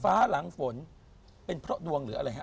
หลังฝนเป็นเพราะดวงหรืออะไรฮะ